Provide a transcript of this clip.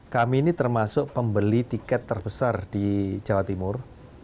kami ini termasuk pembeli tiket terbesar di jawa timur